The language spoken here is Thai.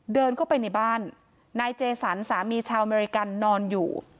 เดินเข้าไปในบ้านนายเจสันสามีชาวอเมริกันนอนอยู่